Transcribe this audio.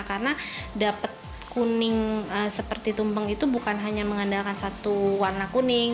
karena dapat kuning seperti tumpeng itu bukan hanya mengandalkan satu warna kuning